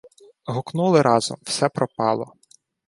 Гукнули разом: "Все пропало!"